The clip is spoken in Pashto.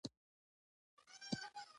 زه ډیر غټ یم او هلته نشم کوزیدلی.